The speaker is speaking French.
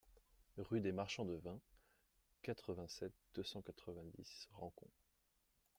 Rue des Marchands de Vin, quatre-vingt-sept, deux cent quatre-vingt-dix Rancon